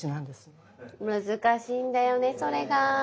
難しいんだよねそれが。